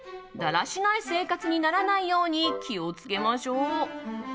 だらしない生活にならないように気を付けましょう。